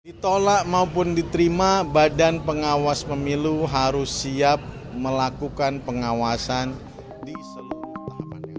ditolak maupun diterima badan pengawas pemilu harus siap melakukan pengawasan di seluruh tahapan ini